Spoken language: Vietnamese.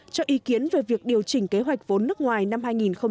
cho ý kiến về việc điều chỉnh kế hoạch vốn nước ngoài năm hai nghìn một mươi sáu